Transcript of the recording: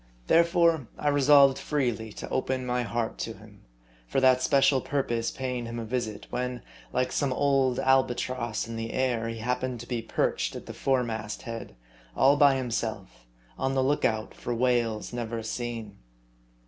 Therefore I resolved freely to open my heart to him ; for that special purpose paying him a visit, when, like some old albatross in the air, he happened to be perched at the fore mast head, all by himself, on tfie lookout for whales never seen.